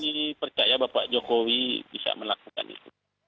saya percaya bapak jokowi bisa melakukan itu